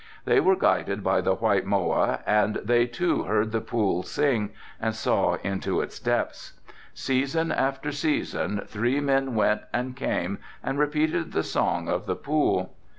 They were guided by the white moa and they too heard the pool sing and saw into its depths. Season after season three men went and came and repeated the song of the pool.